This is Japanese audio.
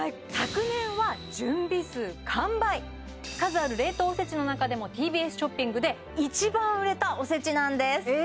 はい数ある冷凍おせちの中でもＴＢＳショッピングで一番売れたおせちなんですえ